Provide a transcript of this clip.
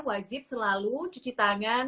wajib selalu cuci tangan